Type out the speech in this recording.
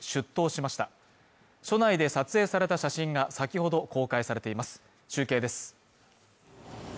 所内で撮影された写真が先ほど公開されています中継です